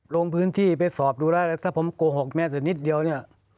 ลงพื้นที่ไปสอบดูแล้วถ้าผมโกหกแม่แต่นิดเดียวเนี่ย